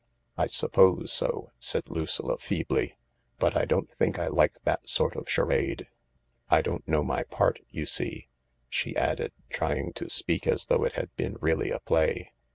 " I suppose so," said Lucilla feebly, " but I don't think I like that sort of charade, I don't know my part, you see," she added, trying to speak as though it had been really a play.